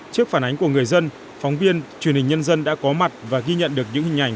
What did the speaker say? trước phản ánh của người dân phóng viên truyền hình nhân dân đã có mặt và ghi nhận được những hình ảnh